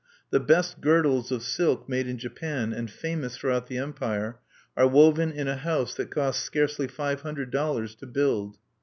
The best girdles of silk made in Japan, and famous throughout the Empire, are woven in a house that cost scarcely five hundred dollars to build.